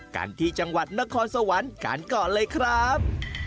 กันที่จังหวัดนครสวรรค์กันก่อนเลยครับ